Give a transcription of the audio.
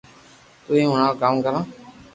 تو ئي ھڻاو ڪاو ڪرو